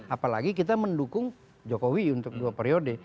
apalagi kita mendukung jokowi untuk dua periode